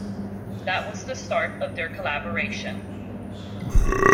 That was the start of their collaboration.